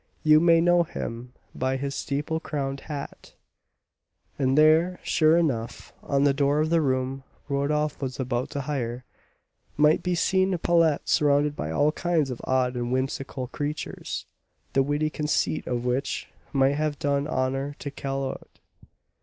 You may know him by his steeple crowned hat." And there, sure enough, on the door of the room Rodolph was about to hire, might be seen a palette surrounded by all kinds of odd and whimsical creatures, the witty conceit of which might have done honour to Callot.